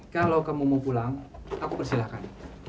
kalau kamu mau pulang aku persilahkan